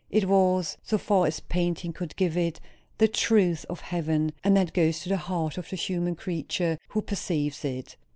It was, so far as painting could give it, the truth of heaven; and that goes to the heart of the human creature who perceives it.